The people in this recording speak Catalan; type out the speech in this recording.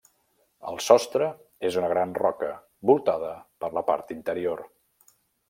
El sostre és una gran roca, voltada per la part interior.